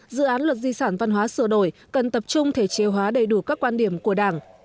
dự án luật di sản văn hóa sửa đổi cần tập trung thể chế hóa đầy đủ các quan điểm của đảng